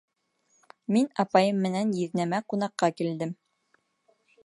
Мин апайым менән еҙнәмә ҡунаҡҡа килдем.